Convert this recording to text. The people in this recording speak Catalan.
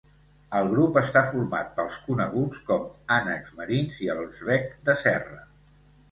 El grup està format pels coneguts com ànecs marins i els bec de serra.